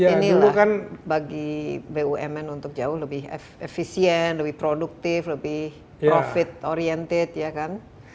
inilah bagi bumn untuk jauh lebih efisien lebih produktif lebih profit oriented ya kan